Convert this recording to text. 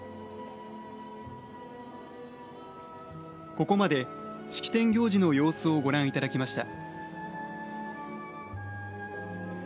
ここまで式典行事の様子をご覧いただきました。